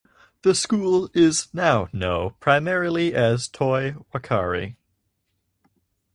The school is now know primarily as Toi Whakaari.